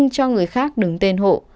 cho người khác đứng tên hộ